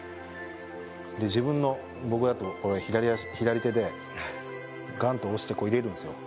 で自分の僕だと左手でガンと押して入れるんですよ。